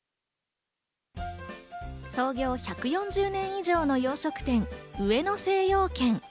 創業１４０年以上の洋食店、上野精養軒。